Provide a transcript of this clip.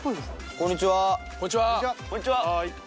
こんにちは。